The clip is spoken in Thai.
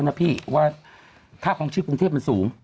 ซึ่งคิดว่าค่าของชื่อคองชื่อกรุงเทพ